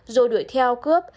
rồi đuổi theo cướp